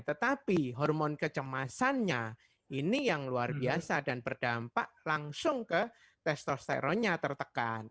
tetapi hormon kecemasannya ini yang luar biasa dan berdampak langsung ke testosteronnya tertekan